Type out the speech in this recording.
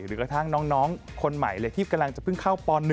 หรือกระทั่งน้องคนใหม่เลยที่กำลังจะเพิ่งเข้าป๑